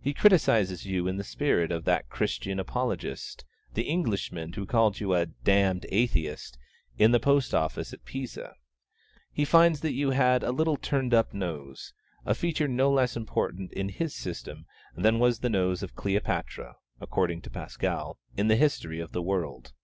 He criticises you in the spirit of that Christian Apologist, the Englishman who called you 'a damned Atheist' in the post office at Pisa. He finds that you had 'a little turned up nose,' a feature no less important in his system than was the nose of Cleopatra (according to Pascal) in the history of the world.